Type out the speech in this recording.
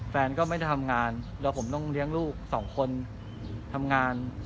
แฟนก็ไม่ได้ทำงานแล้วผมต้องเลี้ยงลูกสองคนทำงาน